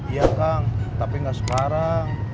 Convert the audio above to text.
iya kang tapi nggak sekarang